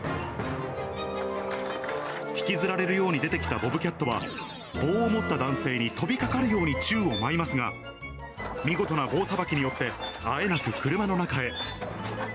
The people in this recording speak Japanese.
引きずられるように出てきたボブキャットは、棒を持った男性に飛びかかるように宙を舞いますが、見事な棒さばきによって、あえなく車の中へ。